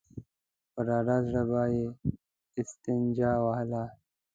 په ډاډه زړه به يې استنجا وهله.